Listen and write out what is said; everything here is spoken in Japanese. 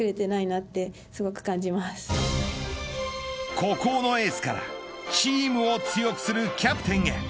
孤高のエースからチームを強くするキャプテンへ。